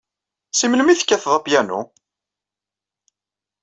Seg melmi ay tekkateḍ apyanu?